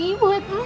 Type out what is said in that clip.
ini sejadah turki